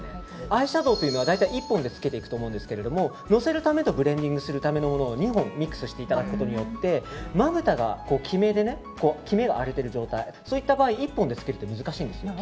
アイシャドーというのは大体１本でつけていくと思うんですけど乗せるためとブレンディングするための２本、ミックスしていただくことによってまぶたがキメが荒れている状態の場合１本でつけるの難しいんです。